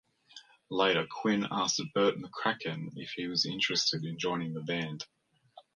Later Quinn asked Bert McCracken if he was interested in joining the band.